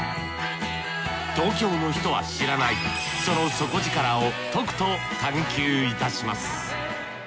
東京の人は知らないその底力をとくと探求いたします。